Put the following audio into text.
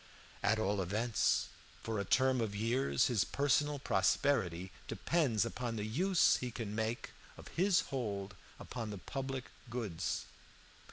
At all events, for a term of years, his personal prosperity depends upon the use he can make of his hold upon the public goods.